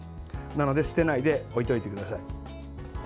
なので捨てないで置いておいてください。